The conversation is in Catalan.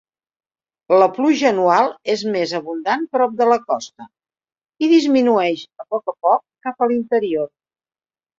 La pluja anual és més abundant prop de la costa i disminueix a poc a poc cap a l'interior.